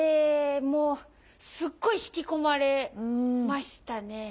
もうすっごい引き込まれましたね。